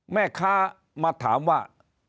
แม่ค้ามาถามว่า